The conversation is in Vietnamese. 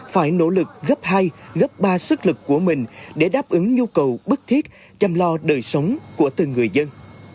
phải nỗ lực gấp hai gấp ba sức lực của mình để đáp ứng nhu cầu bức thiết chăm lo đời sống của từng người dân